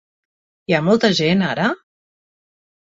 Hi ha molta gent ara?